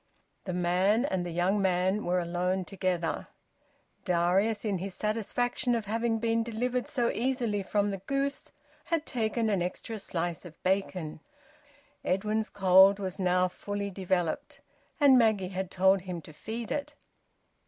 The man and the young man were alone together. Darius, in his satisfaction at having been delivered so easily from the goose, had taken an extra slice of bacon. Edwin's cold was now fully developed; and Maggie had told him to feed it.